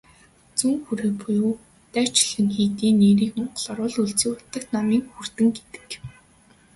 Зүүн хүрээ буюу "Дашчойлин" хийдийн нэрийг монголоор бол "Өлзий хутагт номын хүрдэн" гэдэг.